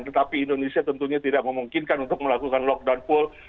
tetapi indonesia tentunya tidak memungkinkan untuk melakukan lockdown full